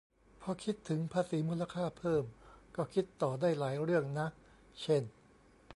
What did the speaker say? พอคิดถึงภาษีมูลค่าเพิ่ม ก็คิดต่อได้หลายเรื่องนะ เช่น